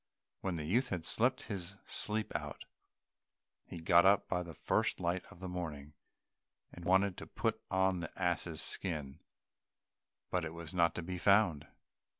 When the youth had slept his sleep out, he got up by the first light of morning, and wanted to put on the ass's skin, but it was not to be found.